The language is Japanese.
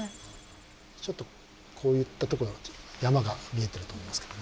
ちょっとこういったとこが山が見えてると思いますけどね。